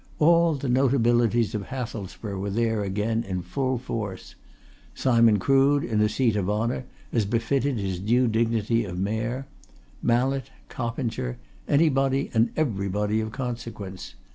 All the notabilities of Hathelsborough were there again, in full force: Simon Crood, in a seat of honour, as befitted his new dignity of Mayor; Mallett; Coppinger, anybody and everybody of consequence.